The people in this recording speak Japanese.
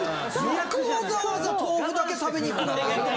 よくわざわざ豆腐だけ食べに行くなって思って。